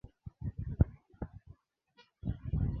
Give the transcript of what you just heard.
na vile viongozi wetu wa wa watu wa uganda wa nje ya nchi oo